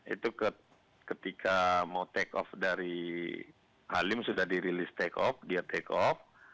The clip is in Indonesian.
itu ketika mau take off dari halim sudah dirilis take off dia take off